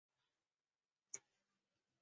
瑞克叙埃。